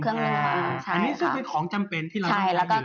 อันนี้ซึ่งเป็นของจำเป็นที่เราต้องใช้อยู่แล้ว